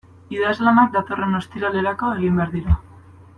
Idazlanak datorren ostiralerako egin behar dira.